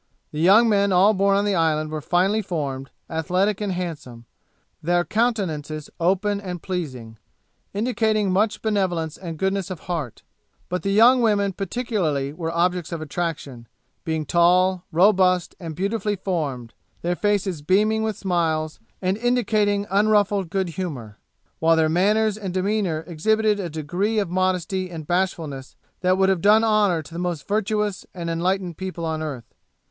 The young men all born on the island were finely formed, athletic and handsome their countenances open and pleasing, indicating much benevolence and goodness of heart, but the young women particularly were objects of attraction, being tall, robust, and beautifully formed, their faces beaming with smiles, and indicating unruffled good humour; while their manners and demeanour exhibited a degree of modesty and bashfulness, that would have done honour to the most virtuous and enlightened people on earth.